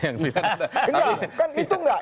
nggak kan itu nggak